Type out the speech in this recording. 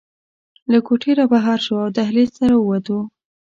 له کوټې رابهر شوو او دهلېز ته راووتو.